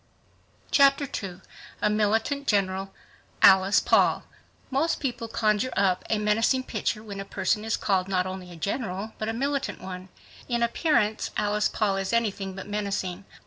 Chapter 2 A Militant General—Alice Paul Most people conjure up a menacing picture when a person is called not only a general, but a militant one. In appearance Alice Paul is anything but menacing.